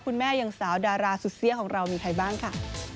แม่ยังสาวดาราสุดเสี้ยของเรามีใครบ้างค่ะ